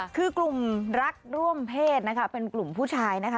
คือกลุ่มรักร่วมเพศนะคะเป็นกลุ่มผู้ชายนะคะ